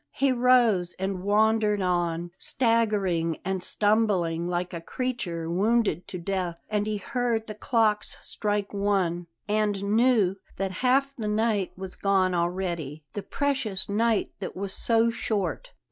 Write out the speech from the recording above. He rose and wandered on, staggering and stumbling like a creature wounded to death; and heard the clocks strike one, and knew that half the night was gone already the precious night that was so short.